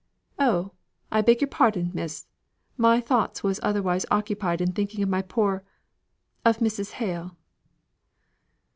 "Oh! I beg your pardon, Miss! My thoughts was otherwise occupied in thinking of my poor of Mrs. Hale."